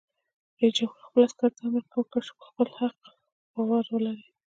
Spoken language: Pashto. رئیس جمهور خپلو عسکرو ته امر وکړ؛ پر خپل حق باور ولرئ!